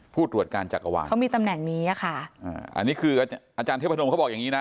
ผู้ตรวจการจักรวาลเขามีตำแหน่งนี้อ่ะค่ะอ่าอันนี้คืออาจารย์เทพนมเขาบอกอย่างงี้นะ